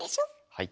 はい。